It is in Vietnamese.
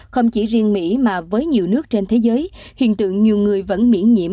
không chỉ riêng mỹ mà với nhiều nước trên thế giới hiện tượng nhiều người vẫn miễn nhiễm